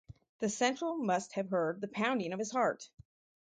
The Central must have heard the pounding of his heart.